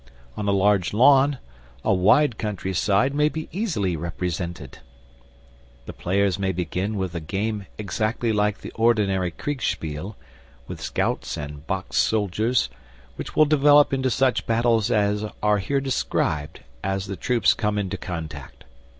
On a large lawn, a wide country side may be easily represented. The players may begin with a game exactly like the ordinary Kriegspiel, with scouts and boxed soldiers, which will develop into such battles as are here described, as the troops come into contact.